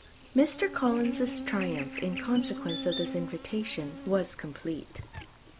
Mr. Collins's triumph, in consequence of this invitation, was complete.